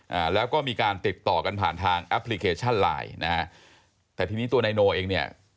อ่าแล้วก็มีการติดต่อกันผ่านทางแอปพลิเคชันไลน์นะฮะแต่ทีนี้ตัวนายโนเองเนี่ย